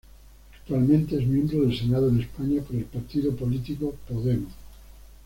Actualmente es miembro del Senado de España por el partido político Podemos.